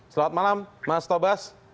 selamat malam mas tobas